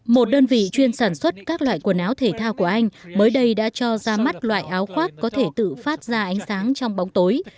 một đơn vị chuyên sản xuất các loại quần áo thể thao của anh mới đây đã cho ra mắt loại áo khoác có thể tự phát ra ánh sáng trong bóng tối